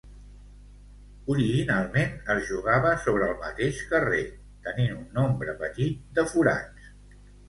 Originalment, es jugava sobre el mateix carrer tenint un nombre petit de forats.